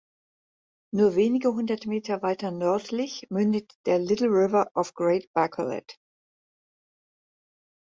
Nur wenige hundert Meter weiter nördlich mündet der Little River of Great Bacolet.